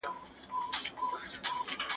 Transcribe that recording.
ایا لوی صادروونکي وچ انار پلوري؟